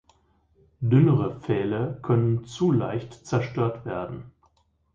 Dünnere Pfähle können zu leicht zerstört werden.